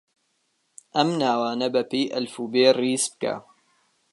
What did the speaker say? ئەم ناوانە بەپێی ئەلفوبێ ڕیز بکە.